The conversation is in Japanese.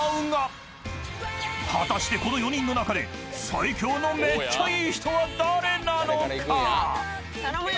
［果たしてこの４人の中で最強のめっちゃいい人は誰なのか？］頼むよ！